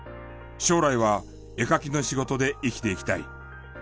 将来は絵描きの仕事で生きていきたい。